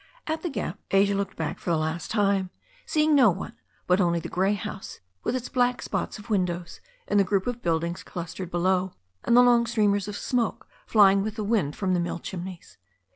At the gap Asia looked back for the last time, seeing no one, but only the grey house with its black spots of win dows, and the group of buildings clustered below, and the long streamers of smoke flying with the wind from the mill chimneys.